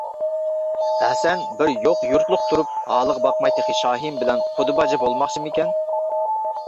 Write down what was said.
ھەسەن بىر يوق يۇرتلۇق تۇرۇپ ھالىغا باقماي تېخى شاھىم بىلەن قۇدا باجا بولماقچىمىكەن؟